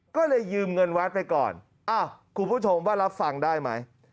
ก็เลยยืมเงินวัดไปก่อนอ้าวคุณผู้ชมว่ารับฟังได้ไหม